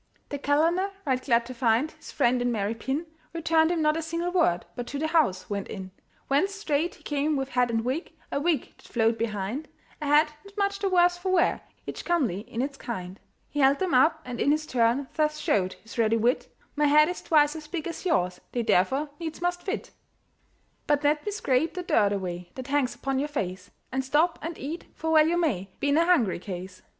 The calender, right glad to find His friend in merry pin, Returned him not a single word, But to the house went in; Whence straight he came with hat and wig, A wig that flowed behind, A hat not much the worse for wear, Each comely in its kind. He held them up, and in his turn Thus showed his ready wit: "My head is twice as big as yours, They therefore needs must fit." "But let me scrape the dirt away, That hangs upon your face; And stop and eat, for well you may Be in a hungry case."